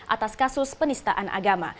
atas kasus penistaan agama